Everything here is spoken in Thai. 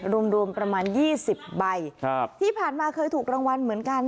รวมรวมประมาณยี่สิบใบครับที่ผ่านมาเคยถูกรางวัลเหมือนกัน